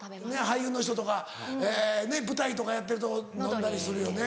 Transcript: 俳優の人とか舞台とかやってるとのんだりするよね。